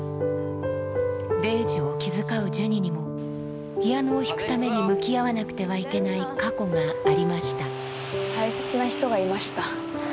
レイジを気遣うジュニにもピアノを弾くために向き合わなくてはいけない過去がありました大切な人がいました。